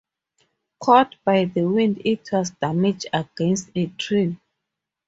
Caught by the wind it was damaged against a tree.